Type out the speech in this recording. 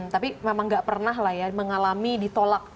tapi memang nggak pernah lah ya mengalami ditolak pada orang lain